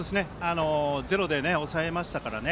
ゼロで抑えましたからね。